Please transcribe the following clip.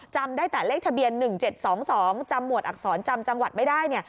จำได้แต่เลขทะเบียน๑๗๒๒จำหมวดอักษรจำจังหวัดไม่ได้เนี่ย